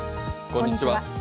こんにちは。